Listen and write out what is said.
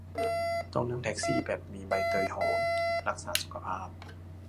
ต้องนั่งแท็กซี่แบบมีใบเตยหอม รักษาสุขภาพ